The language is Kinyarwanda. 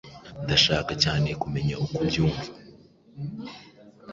Ndashaka cyane kumenya uko ubyumva.